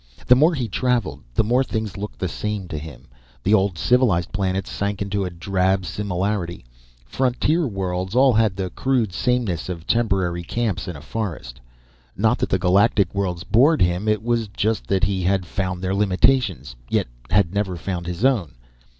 The more he traveled, the more things looked the same to him. The old, civilized planets sank into a drab similarity. Frontier worlds all had the crude sameness of temporary camps in a forest. Not that the galactic worlds bored him. It was just that he had found their limitations yet had never found his own.